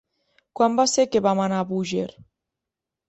Quan va ser que vam anar a Búger?